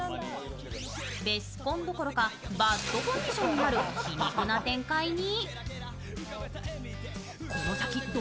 ベスコンどころかバッドコンディションになる皮肉な展開に。